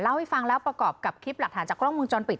ให้ฟังแล้วประกอบกับคลิปหลักฐานจากกล้องวงจรปิด